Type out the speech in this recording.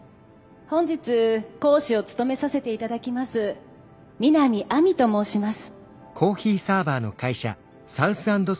本日講師を務めさせて頂きます三並愛美と申します。